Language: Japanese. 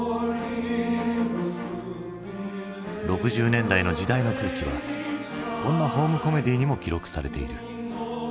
６０年代の時代の空気はこんなホームコメディーにも記録されている。